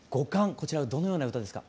こちらどのような歌ですか？